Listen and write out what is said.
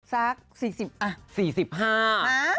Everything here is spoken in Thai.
ซักสี่สิบอ่ะสี่สิบห้าหะ